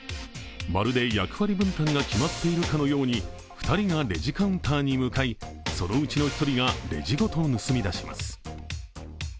まるで役割分担が決まっているかのように２人がレジカウンターに向かい、そのうちの１人がレジごと盗み出します。